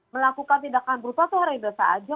melakukan tindakan berusaha itu hara harisan saja